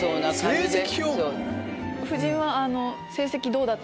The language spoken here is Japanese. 夫人は。